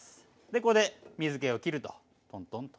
ここで水けをきるとトントンと。